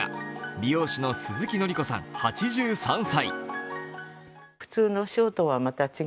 美容師の鈴木則子さん８３歳。